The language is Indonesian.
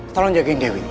tolong jagain dewi